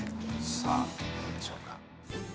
さあどうでしょうか？